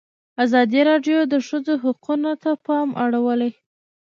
ازادي راډیو د د ښځو حقونه ته پام اړولی.